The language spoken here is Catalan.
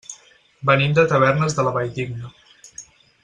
Venim de Tavernes de la Valldigna.